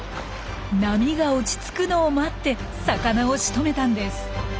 波が落ち着くのを待って魚をしとめたんです。